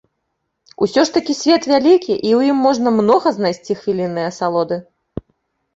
Усё ж такі свет вялікі, і ў ім можна многа знайсці хвіліннай асалоды.